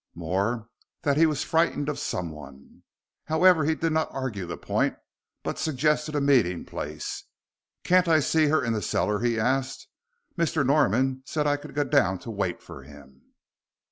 More, that he was frightened of someone. However, he did not argue the point, but suggested a meeting place. "Can't I see her in the cellar?" he asked. "Mr. Norman said I could go down to wait for him."